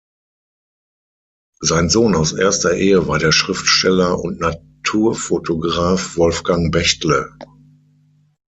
Sein Sohn aus erster Ehe war der Schriftsteller und Naturfotograf Wolfgang Bechtle.